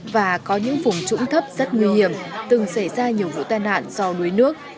và có những vùng trũng thấp rất nguy hiểm từng xảy ra nhiều vụ tai nạn do đuối nước